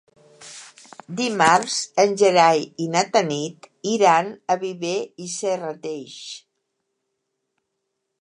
Dimarts en Gerai i na Tanit iran a Viver i Serrateix.